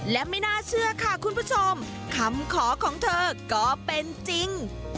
และไม่น่าเชื่อค่ะคุณผู้ชมคำขอของเธอก็เป็นจริง